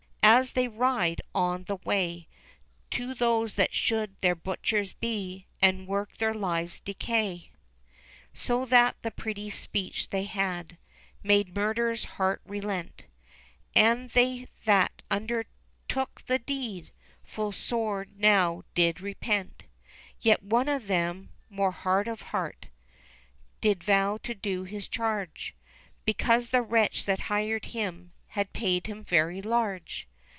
As they ride on the way, To those that should their butchers be And work their lives* decay : THE BABES IN THE WOOD 313 So that the pretty speech they had Made Murder's heart relent ; And they that undertook the deed Full sore now did repent. Yet one of them, more hard of heart, Did vow to do his charge, Because the wretch that hired him Had paid him very large.